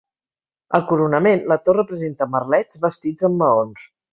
Al coronament, la torre presenta merlets bastits amb maons.